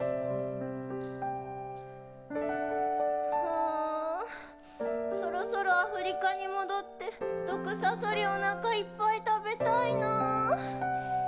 あそろそろアフリカに戻って毒サソリおなかいっぱい食べたいなあ。